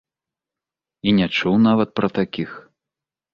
І не чуў нават пра такіх.